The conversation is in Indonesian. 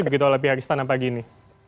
begitu oleh pihak istana pagi ini